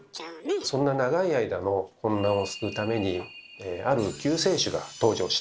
そんな長い間の混乱を救うためにある救世主が登場したんです。